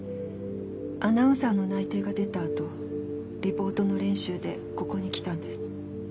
アナウンサーの内定が出たあとリポートの練習でここに来たんです。